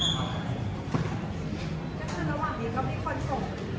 ก็ขึ้นระหว่างเดียวก็มีคนส่ง